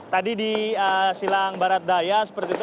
tadi di silang barat daya seperti itu